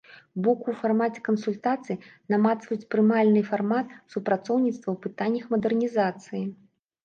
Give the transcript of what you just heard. Боку ў фармаце кансультацый намацваюць прымальны фармат супрацоўніцтва ў пытаннях мадэрнізацыі.